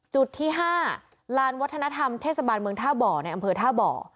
จุดที่๕ลานวัฒนธรรมเทศบาลเมืองท่าบ่อในอำเภอท่าบ่อ